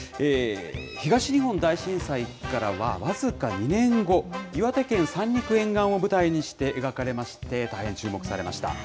東日本大震災からは僅か２年後、岩手県三陸沿岸を舞台にして描かれまして、大変注目されました。